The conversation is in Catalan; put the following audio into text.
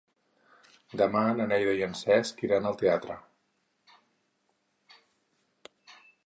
Demà na Neida i en Cesc iran al teatre.